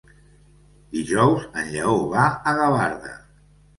Dijous en Lleó va a Gavarda.